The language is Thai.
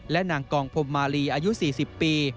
และนางกองพรมมาลีอายุ๔๐ปี